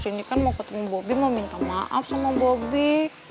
sini kan mau ketemu bobby mau minta maaf sama bobi